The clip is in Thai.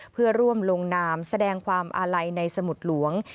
เพื่อร่วมลงนามแสดงความอาลัยในสมุดหลวง